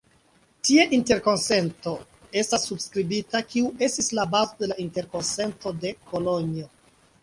Tie interkonsento estas subskribita, kiu estis la bazo de la Interkonsento de Kolonjo.